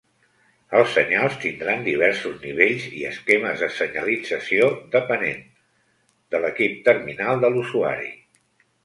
Els senyals tindran diversos nivells i esquemes de senyalització depenent de l'equip terminal de l'usuari.